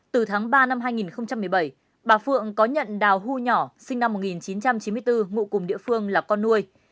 từ tháng ba năm hai nghìn một mươi bảy bà phượng có nhận đào hu nhỏ sinh năm một nghìn chín trăm chín mươi bốn ngụ cùng địa phương là con nuôi